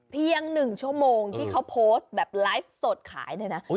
เพียง๑ชั่วโมงที่เขาโพสต์แบบไลฟ์สดขายเนี่ยนะ